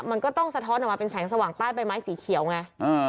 มันก็ต้องสะท้อนออกมาเป็นแสงสว่างใต้ใบไม้สีเขียวไง